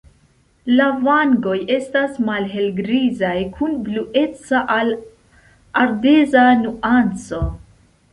La vangoj estas malhelgrizaj kun blueca al ardeza nuanco.